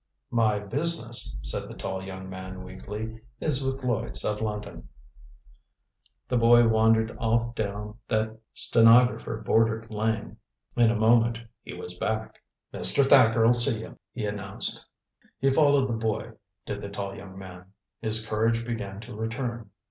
"My business," said the tall young man weakly, "is with Lloyds, of London." The boy wandered off down that stenographer bordered lane. In a moment he was back. "Mr. Thacker'll see you," he announced. He followed the boy, did the tall young man. His courage began to return.